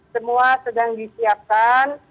semua sedang disiapkan